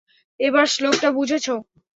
এবার শ্লোকটা বুঝেছো?